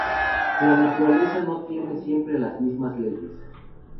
La naturaleza no tiene siempre las mismas leyes.